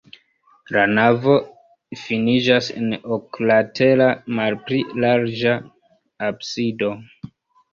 La navo finiĝas en oklatera, malpli larĝa absido.